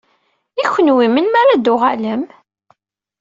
I kenwi, melmi ara d-tuɣalem?